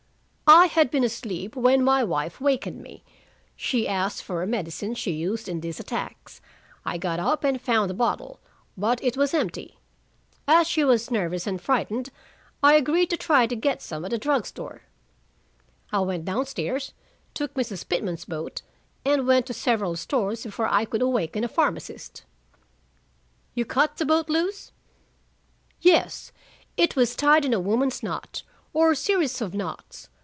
"I had been asleep when my wife wakened me. She asked for a medicine she used in these attacks. I got up and found the bottle, but it was empty. As she was nervous and frightened, I agreed to try to get some at a drug store. I went down stairs, took Mrs. Pitman's boat, and went to several stores before I could awaken a pharmacist." "You cut the boat loose?" "Yes. It was tied in a woman's knot, or series of knots.